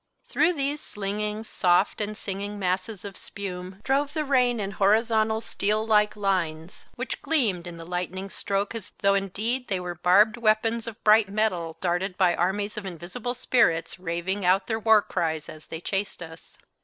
Through these slinging, soft, and singing masses of spume drove the rain in horizontal steel like lines, which gleamed in the lightning stroke as though indeed they were barbed weapons of bright metal, darted by armies of invisible spirits raving out their war cries as they chased us.